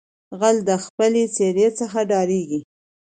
ـ غل دې خپلې سېرې څخه ډاريږي.